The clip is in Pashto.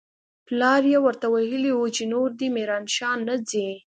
پلار يې ورته ويلي و چې نور دې ميرانشاه نه ځي.